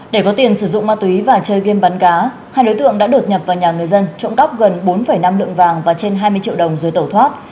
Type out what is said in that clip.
để có tiền sử dụng ma túy và chơi game bắn cá hai đối tượng đã đột nhập vào nhà người dân trộm cắp gần bốn năm lượng vàng và trên hai mươi triệu đồng rồi tẩu thoát